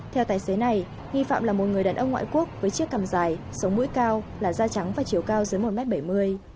theo tài xế này nghi phạm là một người đàn ông ngoại quốc với chiếc cằm dài sống mũi cao là da trắng và chiều cao dưới một m bảy mươi